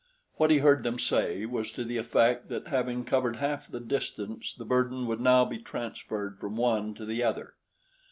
What he heard them say was to the effect that having covered half the distance the burden would now be transferred from one to the other.